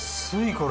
これ。